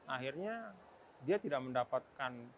akhirnya dia tidak mendapatkan